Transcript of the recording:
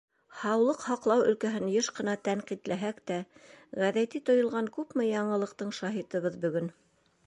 Һаулыҡ һаҡлау өлкәһен йыш ҡына тәнҡитләһәк тә, ғәҙәти тойолған күпме яңылыҡтың шаһитыбыҙ бөгөн.